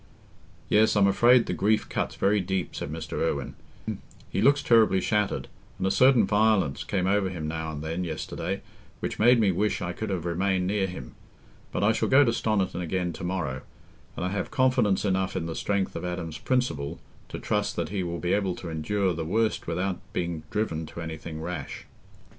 "Yes, I'm afraid the grief cuts very deep," said Mr. Irwine. "He looks terribly shattered, and a certain violence came over him now and then yesterday, which made me wish I could have remained near him. But I shall go to Stoniton again to morrow, and I have confidence enough in the strength of Adam's principle to trust that he will be able to endure the worst without being driven to anything rash."